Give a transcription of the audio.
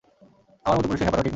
আমার মতো পুরুষকে খেপানো ঠিক না।